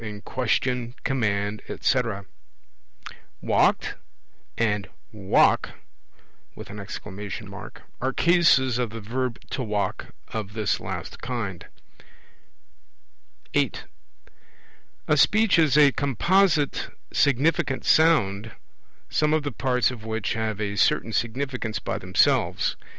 in question, command, etc. 'Walked?' and 'Walk!' are Cases of the verb 'to walk' of this last kind. (8) A Speech is a composite significant sound, some of the parts of which have a certain significance by themselves.